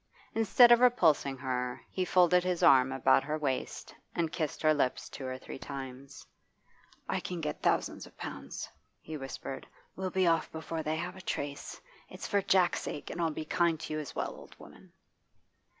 Instead of repulsing her, he folded his arm about her waist and kissed her lips two or three times. 'I can get thousands of pounds,' he whispered. 'We'll be off before they have a trace. It's for Jack's sake, and I'll be kind to you as well, old woman.